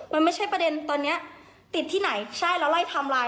มันไม่ใช่ประเด็นตอนนี้ติดที่ไหนใช่เราไล่ไทม์ไลน์